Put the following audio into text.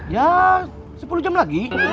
ya sepuluh jam lagi